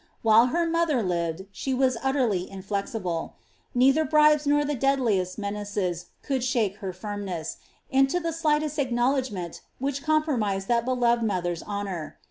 While her mother lived, she was utterly inflexible ; neither bribes nor the deadliest menaces could shake her firmness, into the slightest acknowledgment which compromised that beloved mother's honour.